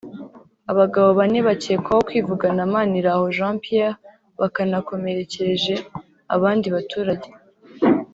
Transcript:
Abagabo bane bakekwaho kwivugana Maniraho Jean Pierre banakanakomerekeje abandi baturage